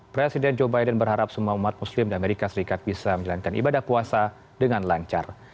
presiden joe biden berharap semua umat muslim di amerika serikat bisa menjalankan ibadah puasa dengan lancar